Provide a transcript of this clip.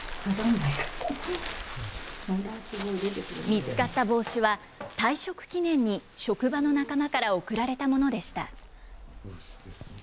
見つかった帽子は退職記念に職場の仲間から贈られたものでした。